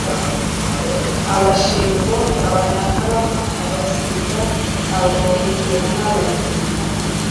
Abashingo, Abanyakarama Abasita, Abongera n'Abenengwe.